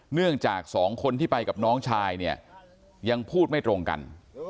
เนื่องจากสองคนที่ไปกับน้องชายเนี่ยยังพูดไม่ตรงกัน